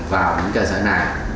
lắp đặt hợp lý